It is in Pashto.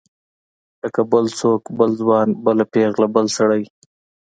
لکه بل څوک بل ځوان بله پیغله بل سړی.